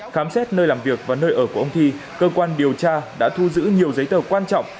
khám xét nơi làm việc và nơi ở của ông thi cơ quan điều tra đã thu giữ nhiều giấy tờ quan trọng